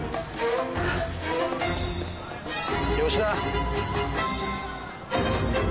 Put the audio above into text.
吉田？